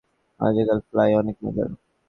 আজকাল ফ্লাইং অনেক মজার।